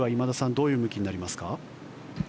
どういう向きになりますか？